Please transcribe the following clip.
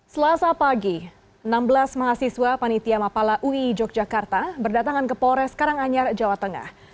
selasa pagi enam belas mahasiswa panitia mapala ui yogyakarta berdatangan ke polres karanganyar jawa tengah